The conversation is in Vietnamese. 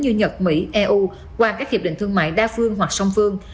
như nhật mỹ eu qua các hiệp định thương mại đa phương hoặc song phương